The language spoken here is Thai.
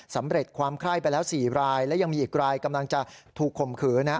สำเร็จความไข้ไปแล้ว๔รายและยังมีอีกรายกำลังจะถูกข่มขืน